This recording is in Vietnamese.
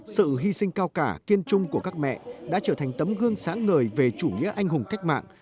sự hy sinh cao cả kiên trung của các mẹ đã trở thành tấm gương sáng ngời về chủ nghĩa anh hùng cách mạng